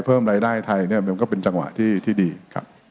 เพิ่มรายได้ไทยเนี่ยมันก็เป็นจังหวะที่ดีครับ